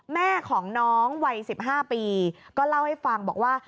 แม่ของน้องวัย๑๕ปีก็เล่าให้ฟังบอกว่า